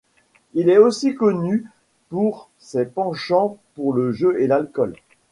Il est aussi connu pour ses penchants pour le jeu et l'alcool.